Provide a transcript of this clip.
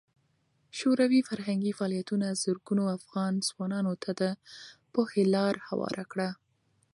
شوروي فرهنګي فعالیتونه زرګونو افغان ځوانانو ته د پوهې لار هواره کړه.